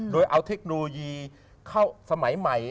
โดยเอาเทคโนโลยีเข้าสมัยใหม่